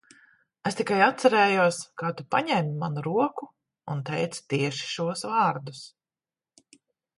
Es tikai atcerējos, kā tu paņēmi manu roku un teici tieši šos vārdus.